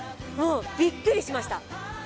もうびっくりしました。